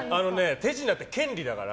手品って、権利だから。